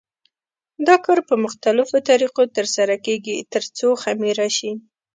دا کار په مختلفو طریقو تر سره کېږي ترڅو خمېره شي.